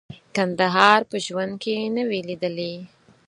کندهار په ژوند کې نه وې لیدلي.